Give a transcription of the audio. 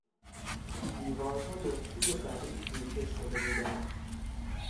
دیوارها با چوب بلوط روکش شده بودند.